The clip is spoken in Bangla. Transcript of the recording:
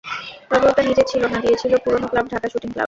তবে ওটা নিজের ছিল না, দিয়েছিল পুরোনো ক্লাব ঢাকা শুটিং ক্লাব।